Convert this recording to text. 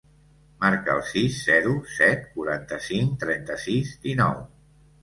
Marca el sis, zero, set, quaranta-cinc, trenta-sis, dinou.